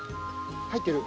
入ってる？